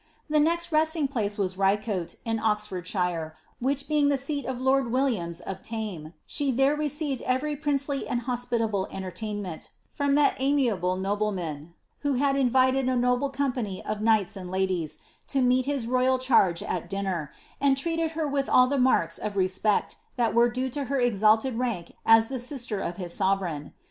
The next resting place was Kicote, in Ox fordshire, which being the seat of lord Williams of Tame, she there re ceived every princely and hospitable entertainment, from that amiable nobleman, who had invited a noble company of knights and ladies, to meet his royal charge at dinner, and treated her with all the marks of respect that were due to her exalted rank as the sister of his sovereign.